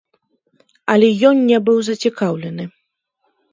Але ён не быў зацікаўлены.